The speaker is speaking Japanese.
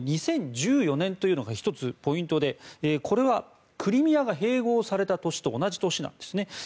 この２０１４年というのが１つポイントでこれはクリミアが併合された年と同じ年なんですね。